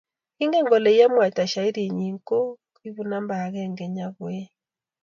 kingen kole yemwaita shairi nyii ko mo koibu numba akenge nya koeng.